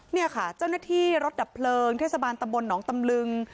เนี่ยค่ะเจ้าหน้าที่รถดับเพลิงเทศบาลตำบลหนองตำลึง